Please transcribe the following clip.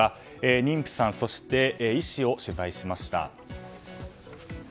妊婦さん、そして医師を取材しました。